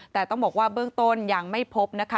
แต่ต้องบอกว่าเบื้องต้นยังไม่พบนะคะ